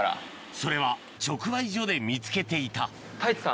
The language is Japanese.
それは直売所で見つけていた太一さん